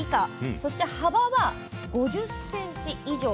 そして幅は５０ｃｍ以上。